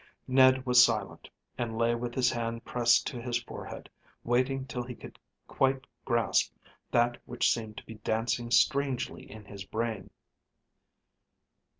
Ned was silent, and lay with his hand pressed to his forehead, waiting till he could quite grasp that which seemed to be dancing strangely in his brain.